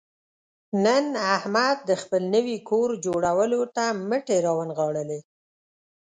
نن احمد د خپل نوي کور جوړولو ته مټې را ونغاړلې.